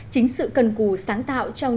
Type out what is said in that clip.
chính sự cần cù sáng tạo trong